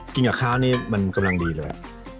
กินกับข้าวเนี่ยมันกำลังดีเลย